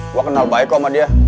gue kenal baik kok sama dia